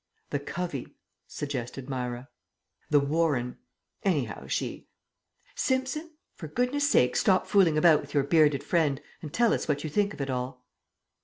"The covey," suggested Myra. "The warren. Anyhow, she Simpson, for goodness' sake stop fooling about with your bearded friend and tell us what you think of it all."